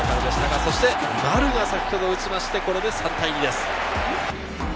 そして丸が先ほど打ちまして、これで３対２です。